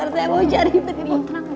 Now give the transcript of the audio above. saya mau cari mending